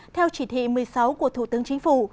theo chỉ thị một mươi sáu của thủ tướng chính phủ